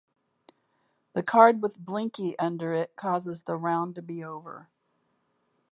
The card with Blinky under it causes the round to be over.